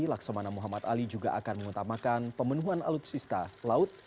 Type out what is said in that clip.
laksamana muhammad ali juga akan mengutamakan pemenuhan alutsista laut